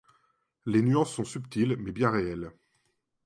Les nuances sont subtiles mais bien réelles.